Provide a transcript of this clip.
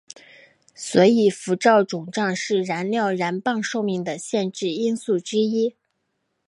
所以辐照肿胀是核燃料棒寿命的限制因素之一。